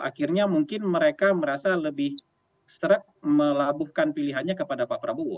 akhirnya mungkin mereka merasa lebih melabuhkan pilihannya kepada pak prabowo